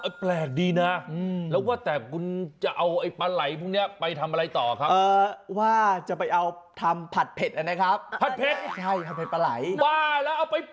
แต่ละตัวมันลายไม่เหมือนกัน